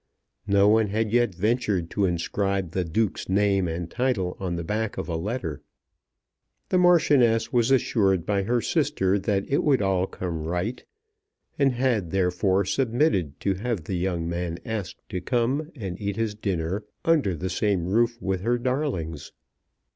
No one had yet ventured to inscribe the Duke's name and title on the back of a letter. The Marchioness was assured by her sister that it would all come right, and had, therefore, submitted to have the young man asked to come and eat his dinner under the same roof with her darlings.